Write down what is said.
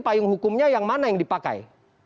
payung hukumnya yang mana yang dipakai